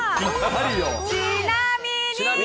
ちなみに。